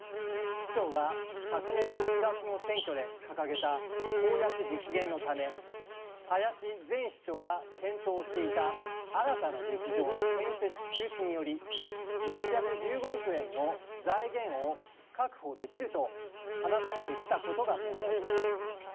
市長が昨年８月の選挙で掲げた公約実現のため林前市長が検討していた新たな劇場の建設中止により６１５億円の財源を確保できると話されてきた事が問題です。